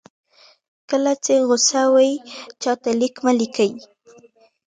کله چې غوسه وئ چاته لیک مه لیکئ.